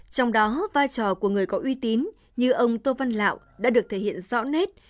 trong đó vai trò của người có uy tín như ông tô văn lạo đã được thể hiện rõ nét